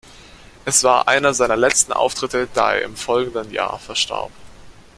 Es war einer seiner letzten Auftritte, da er im folgenden Jahr verstarb.